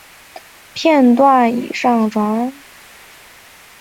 女孩罗一笑的父亲罗尔是一名深圳媒体人。